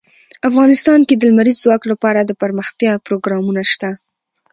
افغانستان کې د لمریز ځواک لپاره دپرمختیا پروګرامونه شته.